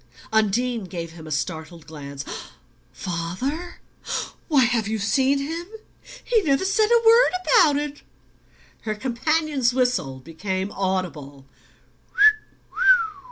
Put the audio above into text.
Undine gave him a startled glance. "Father? Why, have you seen him? He never said a word about it!" Her companion's whistle became audible.